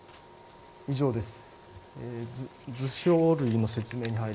以上です。